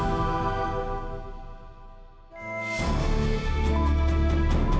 pak aku mau pergi